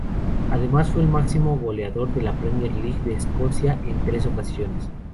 Además, fue el máximo goleador de la Premier League de Escocia en tres ocasiones.